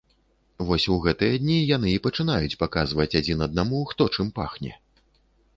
Вось у гэтыя дні яны і пачынаюць паказваць адзін аднаму, хто чым пахне.